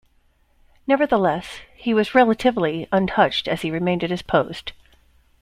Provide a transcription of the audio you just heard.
Nevertheless, he was relatively untouched as he remained at his post.